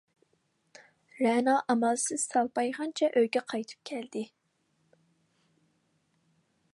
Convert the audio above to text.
رەنا ئامالسىز سالپايغىنىچە ئۆيگە قايتىپ كەلدى.